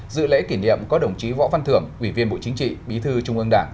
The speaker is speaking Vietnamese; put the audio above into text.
dự lễ kỷ niệm có đồng chí võ văn thưởng ủy viên bộ chính trị bí thư trung ương đảng